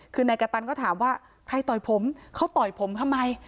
คือนายกระตันก็ถามว่าใครต่อยผมเขาต่อยผมทำไม